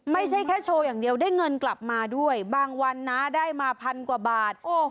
ไม่ใช่แค่โชว์อย่างเดียวได้เงินกลับมาด้วยบางวันนะได้มาพันกว่าบาท